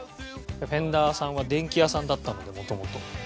フェンダーさんは電気屋さんだったので元々。